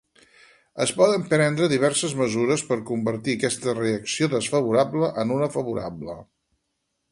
Es poden prendre diverses mesures per convertir aquesta reacció desfavorable en una favorable.